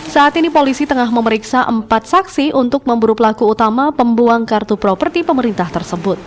saat ini polisi tengah memeriksa empat saksi untuk memburu pelaku utama pembuang kartu properti pemerintah tersebut